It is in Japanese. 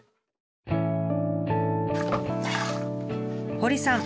堀さん